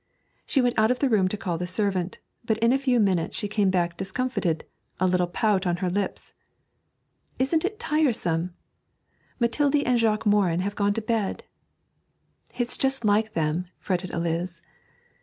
She went out of the room to call the servant, but in a few minutes she came back discomfited, a little pout on her lips. 'Isn't it tiresome! Mathilde and Jacques Morin have gone to bed.' 'It is just like them,' fretted Eliz.